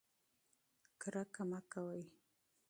نفرت مه کوئ.